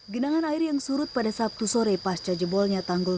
genangan air yang surut pada sabtu sore pasca jebolnya tanggul